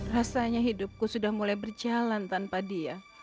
rasanya hidupku sudah mulai berjalan tanpa dia